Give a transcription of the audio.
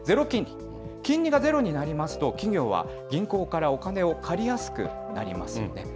金利がゼロになりますと、企業は銀行からお金を借りやすくなりますよね。